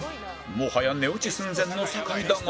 もはや寝落ち寸前の酒井だが